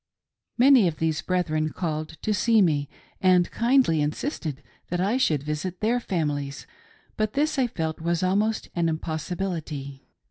Many of these brethren called to see me, and kindly insisted that I should visit their families ; but this 1 felt was almost an impossibility.